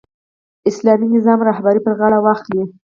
اسلامي نظام رهبري پر غاړه واخلي.